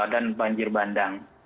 dan banjir bandang